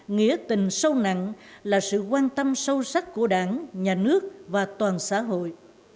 nghĩa tình sâu nặng là sự quan tâm sâu sắc của đảng nhà nước và toàn xã hội